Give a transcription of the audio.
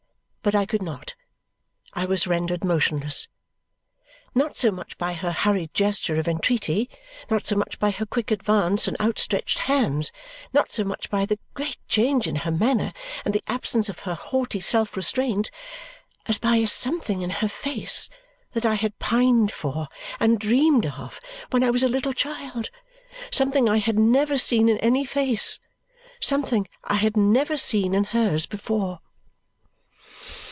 But I could not. I was rendered motionless. Not so much by her hurried gesture of entreaty, not so much by her quick advance and outstretched hands, not so much by the great change in her manner and the absence of her haughty self restraint, as by a something in her face that I had pined for and dreamed of when I was a little child, something I had never seen in any face, something I had never seen in hers before.